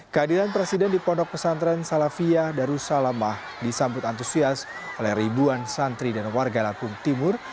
kehadiran presiden di pondok pesantren salafiyah darussalamah disambut antusias oleh ribuan santri dan warga lampung timur